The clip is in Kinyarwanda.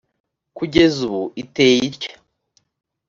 kugeza ubu iteye itya: